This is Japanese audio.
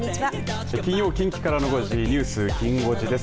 金曜近畿からのニュースきん５時です。